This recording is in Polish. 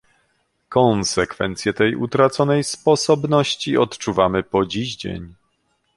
Konsekwencje tej utraconej sposobności odczuwamy po dziś dzień